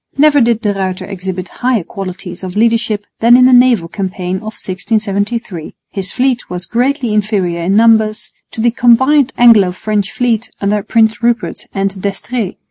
Never did De Ruyter exhibit higher qualities of leadership than in the naval campaign of 1673. His fleet was greatly inferior in numbers to the combined Anglo French fleet under Prince Rupert and D'Estrées.